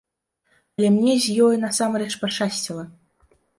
Але мне з ёй насамрэч пашчасціла.